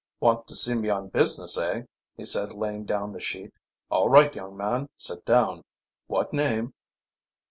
"Want to see me on business, eh?" he said, laying down the sheet. "All right, young man, sit down. What name?"